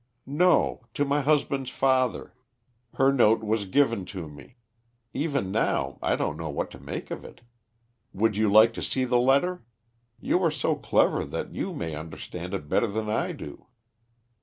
"No, to my husband's father. Her note was given to me. Even now I don't know what to make of it. Would you like to see the letter? You are so clever that you may understand it better than I do."